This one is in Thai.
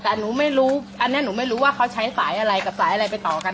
แต่หนูไม่รู้อันนี้หนูไม่รู้ว่าเขาใช้สายอะไรกับสายอะไรไปต่อกัน